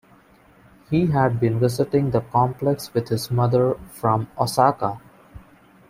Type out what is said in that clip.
He had been visiting the complex with his mother from Osaka.